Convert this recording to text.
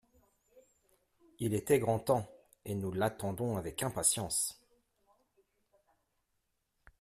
Il était grand temps, et nous l’attendons avec impatience.